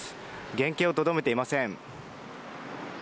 原形をとどめていません。